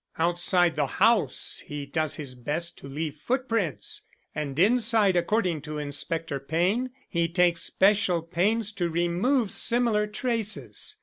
"Outside the house he does his best to leave footprints; and inside, according to Inspector Payne, he takes special pains to remove similar traces.